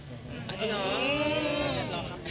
อ๋อจริงหรือ